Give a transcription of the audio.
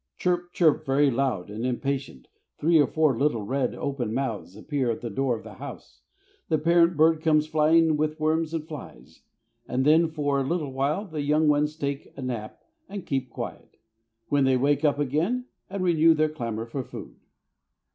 Chirp, chirp, very loud and impatient, three or four little red open mouths appear at the door of the house, the parent birds come flying with worms and flies, and then for a little while the young ones take a nap and keep quiet, when, they wake up again and renew their clamor for food.